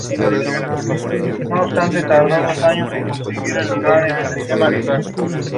El dominio británico no pudo contener las aspiraciones propias de ambas comunidades.